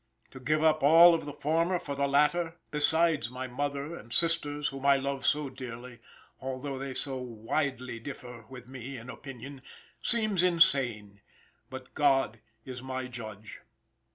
To give up all of the former for the latter, besides my mother and sisters, whom I love so dearly (although they so widely differ with me in opinion) seems insane; but God is my judge."